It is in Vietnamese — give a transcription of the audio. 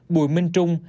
bùi minh trung